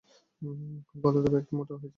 খুব ভালো, তবে একটু মোটা হয়েছে আগের থেকে।